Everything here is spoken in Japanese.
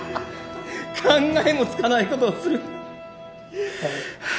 考えもつかないことをする。